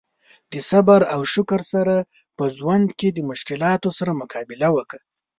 د صبر او شکر سره په ژوند کې د مشکلاتو سره مقابله وکړي.